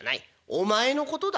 お前のことだ」。